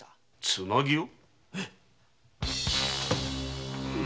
つなぎを！？